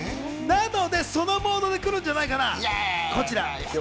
そのモードで来るんじゃないかな。